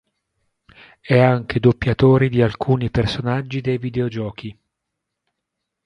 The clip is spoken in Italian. È anche doppiatore di alcuni personaggi dei videogiochi.